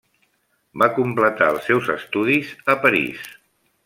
Va completar els seus estudis a París.